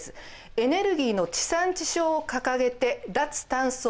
エネルギーの地産地消を掲げて脱炭素を目指しています。